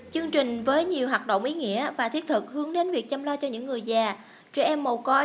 chương trình với nhiều hoạt động ý nghĩa và thiết thực hướng đến việc chăm lo cho những người già trẻ em mồ côi